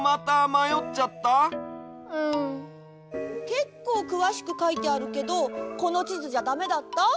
けっこうくわしくかいてあるけどこのちずじゃダメだった？